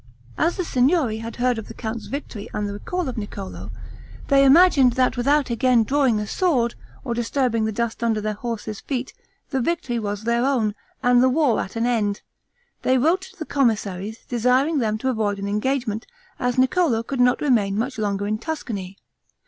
As the Signory had heard of the count's victory and the recall of Niccolo, they imagined that without again drawing a sword or disturbing the dust under their horses' feet, the victory was their own, and the war at an end, they wrote to the commissaries, desiring them to avoid an engagement, as Niccolo could not remain much longer in Tuscany.